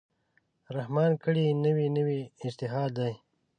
رحمان کړی، نوی نوی اجتهاد دی